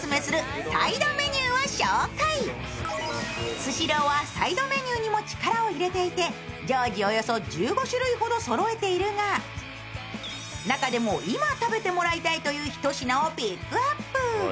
スシローはサイドメニューにも力を入れていて、常時およそ１５種類ほどそろえているが、中でも今食べてもらいたいという一品をピックアップ。